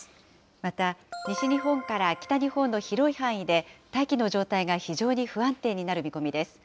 また、西日本から北日本の広い範囲で、大気の状態が非常に不安定になる見込みです。